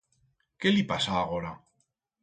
Qué li pasa agora?